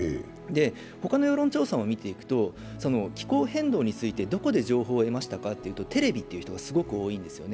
他の世論調査も見ていくと、気候変動についてどこで情報を得ましたかというとテレビという人が多いんですね。